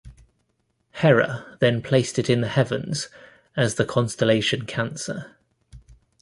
Hera then placed it in the heavens as the constellation Cancer.